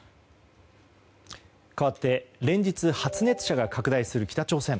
かわって連日、発熱者が拡大する北朝鮮。